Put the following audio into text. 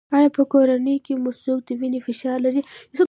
ایا په کورنۍ کې مو څوک د وینې فشار لري؟